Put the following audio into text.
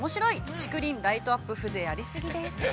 竹林、ライトアップ、風情がありすぎです。